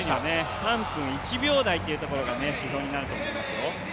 ３分１秒台というところが肝になりますよ。